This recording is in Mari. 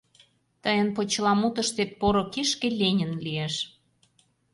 Тыйын почеламутыштет поро кишке — Ленин лиеш.